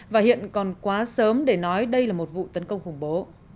và hiện còn quá sớm để nói đây là một vụ tấn công khủng bố